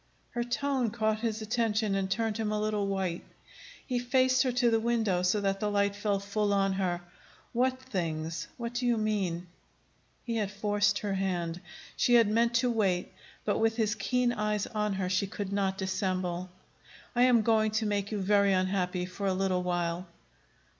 Her tone caught his attention, and turned him a little white. He faced her to the window, so that the light fell full on her. "What things? What do you mean?" He had forced her hand. She had meant to wait; but, with his keen eyes on her, she could not dissemble. "I am going to make you very unhappy for a little while."